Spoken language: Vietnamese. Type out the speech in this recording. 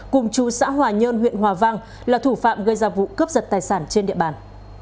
cùng chú xã hòa nhơn huyện hòa vang là thủ phạm gây ra vụ cướp giật tài sản trên địa bàn